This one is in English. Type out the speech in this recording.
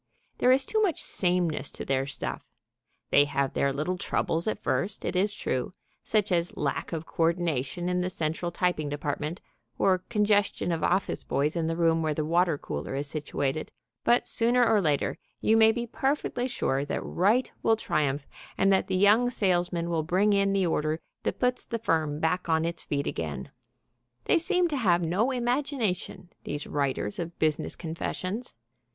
There is too much sameness to their stuff. They have their little troubles at first, it is true, such as lack of coördination in the central typing department, or congestion of office boys in the room where the water cooler is situated; but sooner or later you may be perfectly sure that Right will triumph and that the young salesman will bring in the order that puts the firm back on its feet again. They seem to have no imagination, these writers of business confessions.